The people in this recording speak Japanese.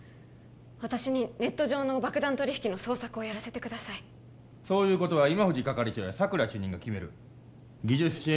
私にネット上の爆弾取引の捜索をやらせてくださいそういうことは今藤係長や佐久良主任が決める技術支援